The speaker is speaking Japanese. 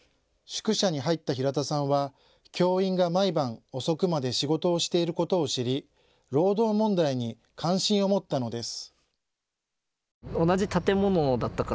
宿舎に入った平田さんは教員が毎晩、遅くまで仕事をしていることを知り、労働問題に関心を持ったのです。